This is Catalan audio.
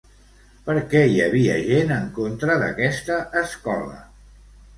Per què hi havia gent en contra d'aquesta escola?